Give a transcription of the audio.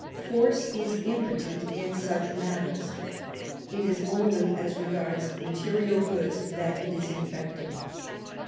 Force is impotent in such matters; it is only as regards material goods that it is effective.